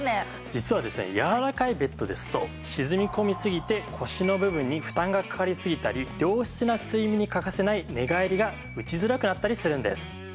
実はですねやわらかいベッドですと沈み込みすぎて腰の部分に負担がかかりすぎたり良質な睡眠に欠かせない寝返りが打ちづらくなったりするんです。